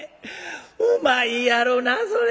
「うまいやろなそれ。